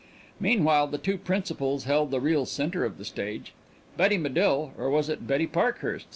Meanwhile the two principals held the real centre of the stage. Betty Medill or was it Betty Parkhurst?